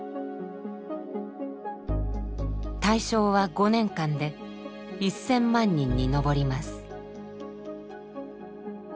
対象は５年間で１，０００万人に上ります。